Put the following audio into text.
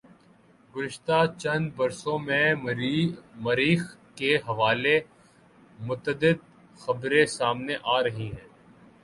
گزشتہ چند بر سوں میں مریخ کے حوالے متعدد خبریں سامنے آرہی ہیں